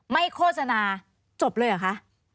โฆษณาจบเลยเหรอคะ